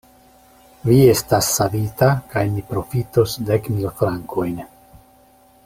Vi estas savita kaj mi profitos dek mil frankojn.